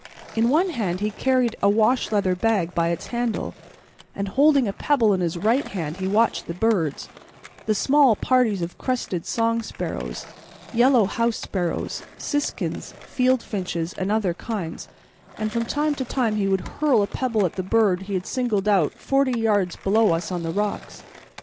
In one hand he carried a washleather bag by its handle, and holding a pebble in his right hand he watched the birds, the small parties of crested song sparrows, yellow house sparrows, siskins, field finches, and other kinds, and from time to time he would hurl a pebble at the bird he had singled out forty yards down below us on the rocks.